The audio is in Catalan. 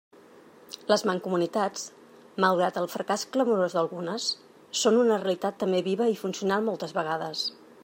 Les mancomunitats, malgrat el fracàs clamorós d'algunes, són una realitat també viva i funcional moltes vegades.